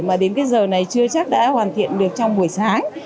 mà đến cái giờ này chưa chắc đã hoàn thiện được trong buổi sáng